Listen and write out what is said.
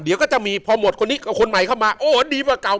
เดี๋ยวก็จะมีพอหมดคนใหม่เข้ามาโอ้โฮดีมากับคราว